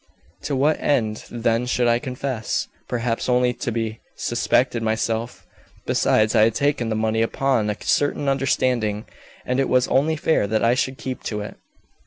To what end then should I confess? Perhaps only to be suspected myself. Besides, I had taken the money upon a certain understanding, and it was only fair that I should keep to it."